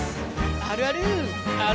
あるある！